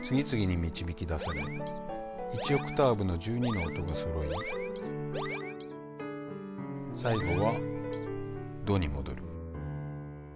１オクターブの１２の音がそろい最後は「ド」に戻る。